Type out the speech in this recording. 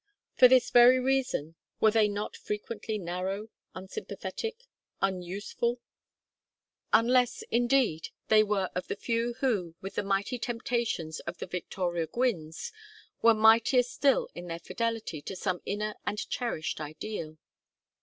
For this very reason were they not frequently narrow, unsympathetic, unuseful unless, indeed, they were of the few who, with the mighty temptations of the Victoria Gwynnes, were mightier still in their fidelity to some inner and cherished ideal.